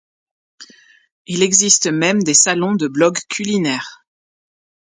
Il existe même des salons de blogs culinaires.